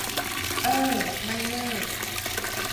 เอ้อ ไม่เลิก